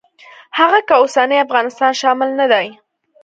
هغه کې اوسنی افغانستان شامل نه دی.